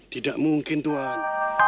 tidak mungkin tuhan